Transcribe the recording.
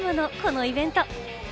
このイベント。